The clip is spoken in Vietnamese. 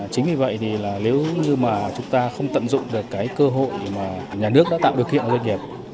chính vì vậy nếu như chúng ta không tận dụng được cơ hội mà nhà nước đã tạo được hiện doanh nghiệp